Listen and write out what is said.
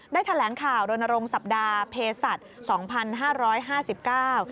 ได้แถลงข่าวโดนโรงสัปดาห์เพศสัตว์๒๕๕๙